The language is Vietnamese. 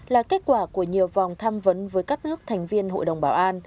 là kết quả của nhiều vòng tham vấn với các nước thành viên hội đồng bảo an